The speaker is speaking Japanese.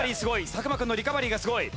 作間君のリカバリーがすごい。